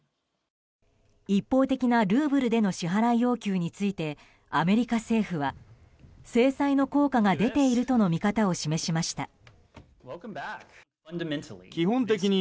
一方的なルーブルでの支払い要求についてアメリカ政府は制裁の効果が出ているとの見方を示しました。